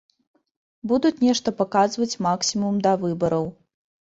Будуць нешта паказваць максімум да выбараў.